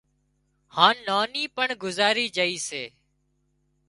هانَ نانِي پڻ گذارِي جھئي سي